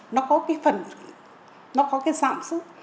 nó có cái phần nó có cái sản xuất